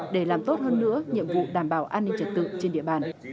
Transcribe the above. để làm tốt hơn nữa nhiệm vụ đảm bảo an ninh trật tự trên địa bàn